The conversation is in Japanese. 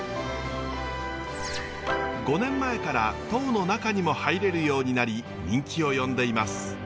５年前から塔の中にも入れるようになり人気を呼んでいます。